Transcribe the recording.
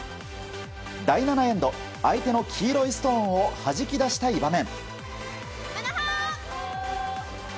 第７エンド相手の黄色いストーンをはじき出したい場面。